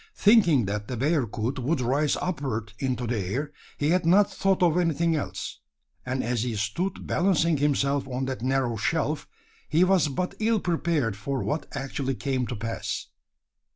Thinking that the bearcoot would rise upward into the air, he had not thought of anything else; and as he stood balancing himself on that narrow shelf, he was but ill prepared for what actually came to pass.